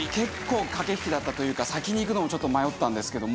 駆け引きだったというか先にいくのも迷ったんですけど